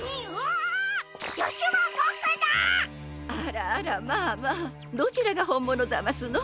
あらあらまあまあどちらがほんものざますの？